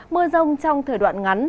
mưa rông trong thời đoạn ngắn